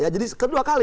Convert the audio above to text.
jadi kedua kali